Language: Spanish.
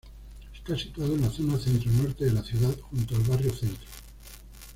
Está situado en la zona centro-norte de la ciudad, junto al Barrio Centro.